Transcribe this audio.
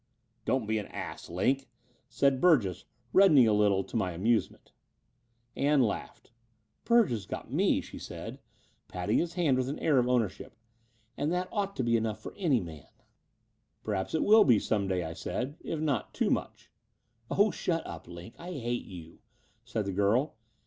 "Don't be an ass. Line," said Bttrgess, reddening a little, to my amusement. Ann laughed. "Burge has got me," she said, patting his hand with an air of ownership: "and tiiat ought to be enough for any man." Between London and Clymplng 133 "Perhaps it will be some day," I said, "if not too much." "Oh, shut up, Line, I hate you," said the girl.